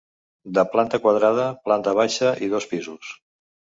De planta quadrada, planta baixa i dos pisos.